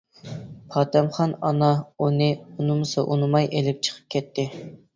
پاتەمخان ئانا ئۇنى ئۇنىمىسا ئۇنىماي ئېلىپ چىقىپ كەتتى.